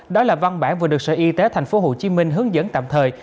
đó là văn bản vừa được sở y tế tp hcm hướng dẫn tạm thời